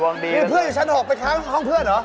นี่เพื่อนอยู่ชั้นหกก็ข้างห้องเพื่อนหรอ